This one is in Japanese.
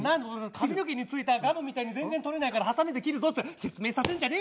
髪の毛についたガムみたいに全然取れないからハサミで切るぞって説明させんじゃねえよ！